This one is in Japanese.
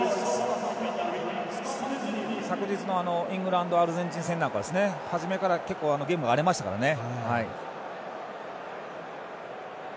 昨日のイングランドアルゼンチン戦なんかは初めから結構ゲームが荒れましたからね。